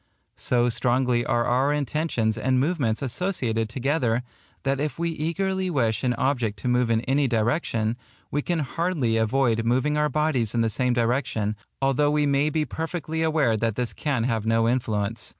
So strongly are our intentions and movements associated together, that if we eagerly wish an object to move in any direction, we can hardly avoid moving our bodies in the same direction, although we may be perfectly aware that this can have no influence.